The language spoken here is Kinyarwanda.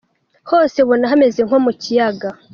Hose ubona hameze nko mu Kiyaga.